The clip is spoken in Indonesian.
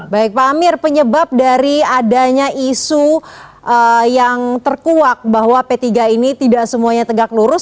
baik pak amir penyebab dari adanya isu yang terkuak bahwa p tiga ini tidak semuanya tegak lurus